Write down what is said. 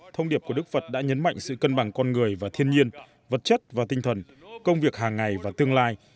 thông điệp của đức phật đã nhấn mạnh sự cân bằng con người và thiên nhiên vật chất và tinh thần công việc hàng ngày và tương lai